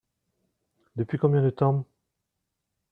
Depuis combien de temps ?